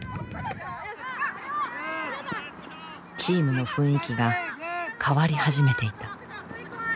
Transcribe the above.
チームの雰囲気が変わり始めていた。